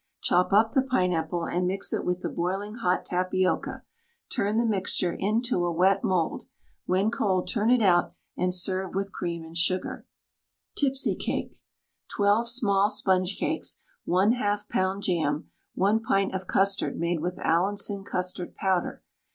Chop up the pineapple and mix it with the boiling hot tapioca; turn the mixture into a wet mould. When cold turn it out and serve with cream and sugar. TIPSY CAKE. 12 small sponge cakes, 1/2 lb. jam, 1 pint of custard made with Allinson custard powder.